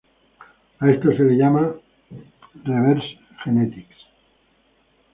A esto se le llama "reverse genetics".